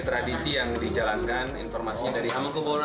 ini tradisi yang dijalankan informasi dari pemerintah dan juga dari pemerintah